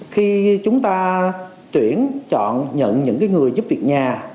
khi chúng ta tuyển chọn nhận những người giúp việc nhà